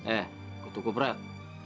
eh ketukup rek